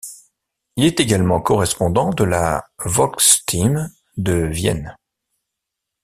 Il est également correspondant de la Volksstimme de Vienne.